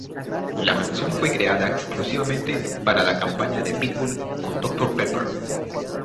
La canción fue creada exclusivamente para la campaña de Pitbull con Dr. Pepper.